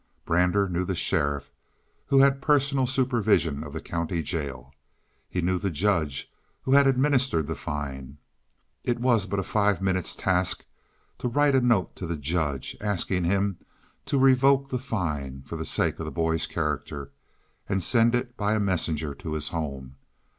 Brander knew the sheriff who had personal supervision of the county jail. He knew the judge who had administered the fine. It was but a five minutes' task to write a note to the judge asking him to revoke the fine, for the sake of the boy's character, and send it by a messenger to his home.